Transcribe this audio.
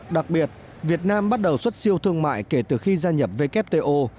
đặc biệt việt nam bắt đầu xuất siêu thương mại kể từ khi gia nhập wto